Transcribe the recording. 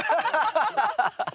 ハハハハッ！